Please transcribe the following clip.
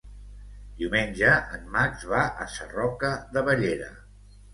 Diumenge en Max va a Sarroca de Bellera.